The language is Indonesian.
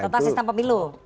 total sistem pemilu